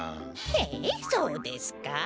へえそうですか？